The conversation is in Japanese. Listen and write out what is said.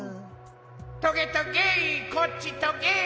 ・トゲトゲこっちトゲ。